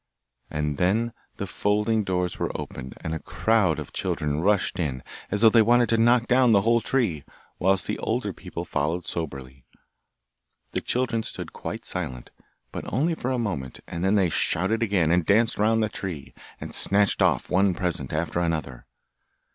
And then the folding doors were opened, and a crowd of children rushed in, as though they wanted to knock down the whole tree, whilst the older people followed soberly. The children stood quite silent, but only for a moment, and then they shouted again, and danced round the tree, and snatched off one present after another.